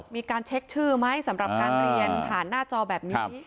มีการเช็คชื่อไหมสำหรับการเรียนผ่านหน้าจอแบบนี้